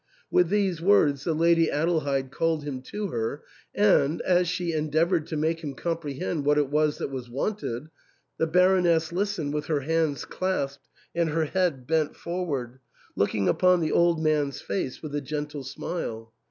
With these words the Lady Adelheid called him to her, and as she endeavoured to make him com prehend what it was that was wanted, the Baroness lis tened with her hands clasped and her head bent for ward, looking upon the old man's face with a gentle smile.